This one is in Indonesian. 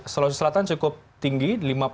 sulawesi selatan cukup tinggi lima puluh dua puluh enam